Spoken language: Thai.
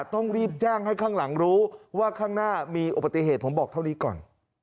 ต้องรีบแจ้งให้ข้างหลังรู้ว่าข้างหน้ามีอุบัติเหตุผมบอกเท่านี้ก่อน